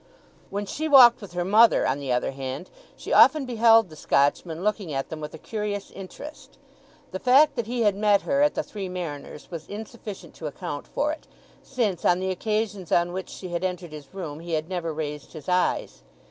When she walked with her mother, on the other hand, she often beheld the Scotchman looking at them with a curious interest. The fact that he had met her at the Three Mariners was insufficient to account for it, since on the occasions on which she had entered his room he had never raised his eyes.